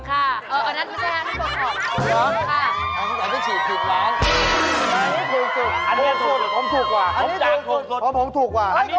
อันนั้นไม่ใช่เขาตก